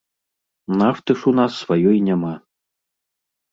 Нафты ж у нас сваёй няма.